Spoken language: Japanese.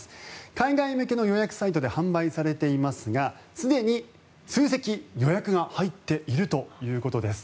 海外向けの予約サイトで販売されていますがすでに数席、予約が入っているということです。